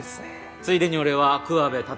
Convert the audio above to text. ついでに俺は桑部辰郎。